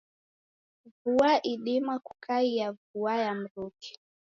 Vua idima kukaia vua ya mruke.